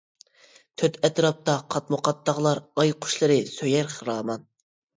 تۆت ئەتراپتا قاتمۇ قات تاغلار ئاي قۇشلىرى سۆيەر خىرامان.